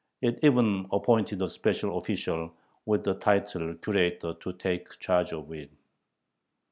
It even appointed a special official, with the title Curator, to take charge of it.